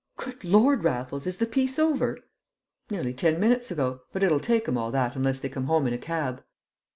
"Good Lord, Raffles, is the piece over?" "Nearly ten minutes ago, but it'll take 'em all that unless they come home in a cab."